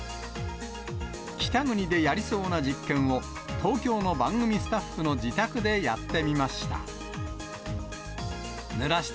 北国でやりそうな実験を、東京の番組スタッフの自宅でやってみました。